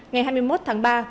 ngày hai mươi một tháng ba